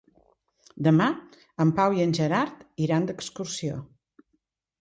Demà en Pau i en Gerard iran d'excursió.